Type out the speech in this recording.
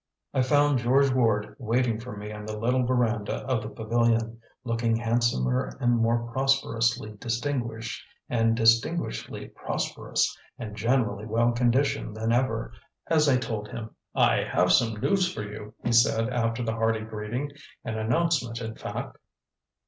I found George Ward waiting for me on the little veranda of the pavilion, looking handsomer and more prosperously distinguished and distinguishedly prosperous and generally well conditioned than ever as I told him. "I have some news for you," he said after the hearty greeting "an announcement, in fact."